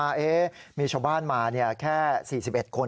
เอ๊ะมีชาวบ้านมาเนี่ยแค่๔๑คน